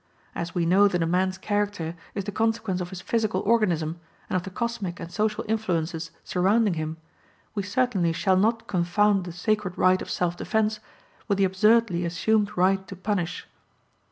As we know that a man's character is the consequence of his physical organism, and of the cosmic and social influences surrounding him, we certainly shall not confound the sacred right of self defence, with the absurdly assumed right to punish.